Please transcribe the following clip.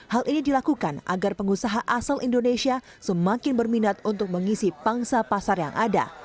hal ini dilakukan agar pengusaha asal indonesia semakin berminat untuk mengisi pangsa pasar yang ada